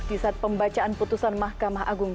di saat pembacaan putusan mahkamah agung